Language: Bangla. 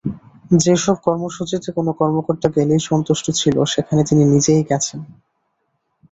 যেসব কর্মসূচিতে কোনো কর্মকর্তা গেলেই যথেষ্ট ছিল, সেখানে তিনি নিজেই গেছেন।